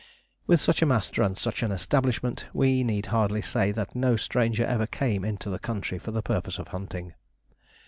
With such a master and such an establishment, we need hardly say that no stranger ever came into the country for the purpose of hunting.